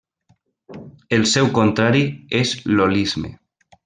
El seu contrari és l'holisme.